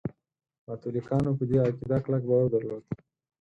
کاتولیکانو په دې عقیده کلک باور درلود.